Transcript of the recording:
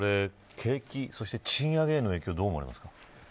景気、そして賃上げへの影響はどう思われますか。